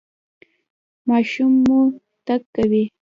ماشوم مو تګ کوي؟